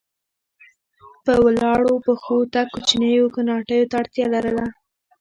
په ولاړو پښو تګ کوچنیو کوناټیو ته اړتیا لرله.